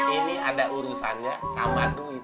ini ada urusannya sama duit